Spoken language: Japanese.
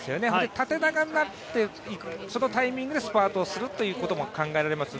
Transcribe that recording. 縦長になって、そのタイミングでスパートをするということも考えられますね。